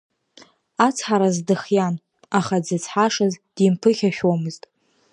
Ацҳаразы дыхиан, аха дзыцҳашаз димԥыхьашәомызт.